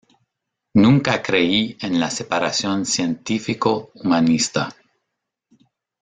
Nunca creí en la separación científico humanista".